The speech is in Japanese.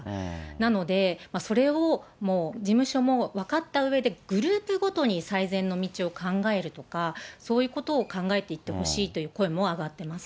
なので、それをもう事務所も分かったうえで、グループごとに最善の道を考えるとか、そういうことを考えていってほしいという声も上がってます。